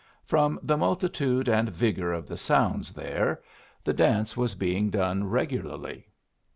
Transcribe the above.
From the multitude and vigor of the sounds there, the dance was being done regularly.